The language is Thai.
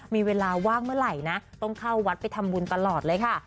มีเวลาว่างเมื่อไหร่นะต้องเข้าวัดไปทำบุญตลอดเลยค่ะ